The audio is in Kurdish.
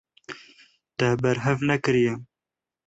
Te berhev nekiriye.